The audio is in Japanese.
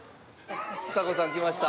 ちさ子さん来ました。